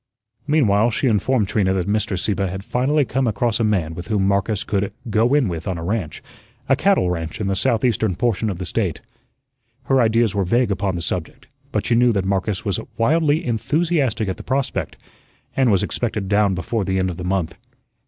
Meanwhile, she informed Trina that Mr. Sieppe had finally come across a man with whom Marcus could "go in with on a ranch," a cattle ranch in the southeastern portion of the State. Her ideas were vague upon the subject, but she knew that Marcus was wildly enthusiastic at the prospect, and was expected down before the end of the month.